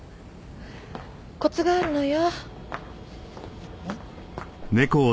コツがあるのよ。